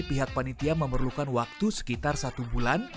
pihak panitia memerlukan waktu sekitar satu bulan